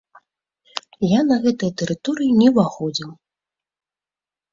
Я на гэтыя тэрыторыі не ўваходзіў.